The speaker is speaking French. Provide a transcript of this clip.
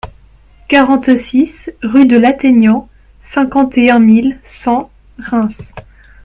quarante-six rue de l'Atteignant, cinquante et un mille cent Reims